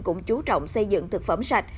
cũng chú trọng xây dựng thực phẩm sạch